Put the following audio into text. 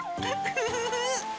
フフフフ。